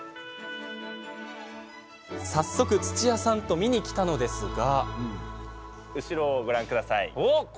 早速、土屋さんと見にきたのですが。